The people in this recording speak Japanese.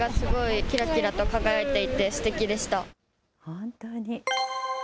本当に。